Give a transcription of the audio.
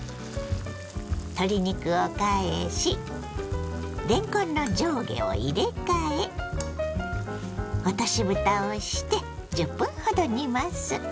鶏肉を返しれんこんの上下を入れ替え落としぶたをして１０分ほど煮ます。